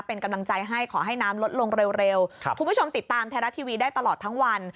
เป็นกำลังใจให้ขอให้น้ำลดลงเร็วครับคุณผู้ชมติดตามไทยรัฐทีวีได้ตลอดทั้งวัน